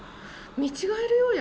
見違えるようや。